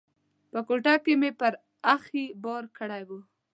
په کوټه کې مې پر اخښي بار کړی و.